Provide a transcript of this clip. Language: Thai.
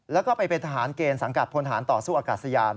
แล้วก็ไปเป็นทหารเกณฑ์สังกัดพลฐานต่อสู้อากาศยาน